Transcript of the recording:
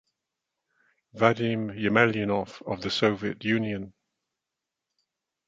Vadim Yemelyanov of the Soviet Union.